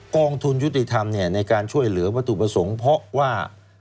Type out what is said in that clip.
กองทุนยุติธรรมในการช่วยเหลือวัตถุประสงค์เพราะว่า